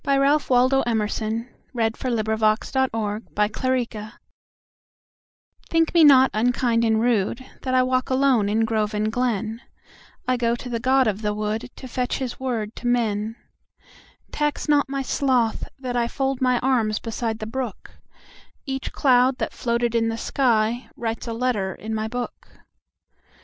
Ralph Waldo Emerson 764. The Apology THINK me not unkind and rudeThat I walk alone in grove and glen;I go to the god of the woodTo fetch his word to men. Tax not my sloth that IFold my arms beside the brook; Each cloud that floated in the skyWrites a letter in my book.